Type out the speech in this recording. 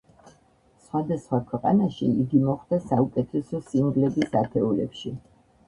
სხვადასხვა ქვეყანაში იგი მოხვდა საუკეთესო სინგლების ათეულებში.